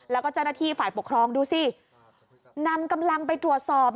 แล้วก็เจ้าหน้าที่ฝ่ายปกครองดูสินำกำลังไปตรวจสอบ